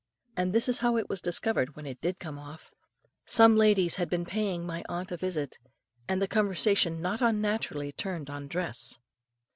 And this is how it was discovered when it did come off. Some ladies had been paying my aunt a visit, and the conversation not unnaturally turned on dress.